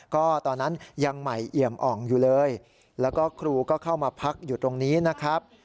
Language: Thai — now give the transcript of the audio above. ก็ตอนนั้นยังใหม่เอี่ยมอ่องอยู่เลยแล้วก็ครูก็เข้ามาพักอยู่ตรงนี้นะครับ